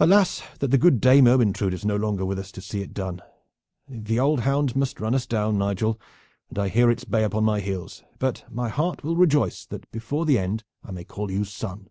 Alas! that the good Dame Ermyntrude is no longer with us to see it done! The old hound must run us down, Nigel, and I hear its bay upon my own heels; but my heart will rejoice that before the end I may call you son.